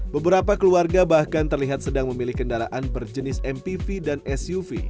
beberapa keluarga bahkan terlihat sedang memilih kendaraan berjenis mpv dan suv